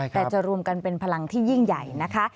แต่จะรวมกันเป็นพลังที่ยิ่งใหญ่นะคะ